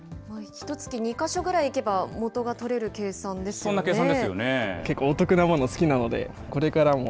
ひとつき２か所ぐらい行けば、元が取れる計算ですよね。